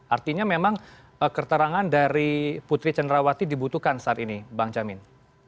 artinya memang keterangan dari putri cenrawati dibutuhkan saat ini bang jamin